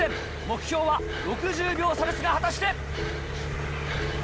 目標は６０秒差ですが果たして？